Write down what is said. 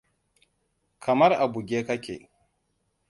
Kamar a buge kake.